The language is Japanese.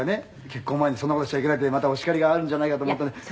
結婚前にそんな事しちゃいけないってまたお叱りがあるんじゃないかと思ったんで」